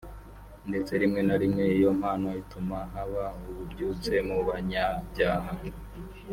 ndetse rimwe na rimwe iyo mpano ituma haba ububyutse mu banyabyaha